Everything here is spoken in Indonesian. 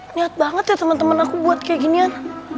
niat banget ya temen temen aku buat kayak ginian